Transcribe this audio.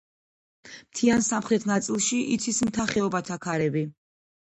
მთიან სამხრეთ ნაწილში იცის მთა-ხეობათა ქარები.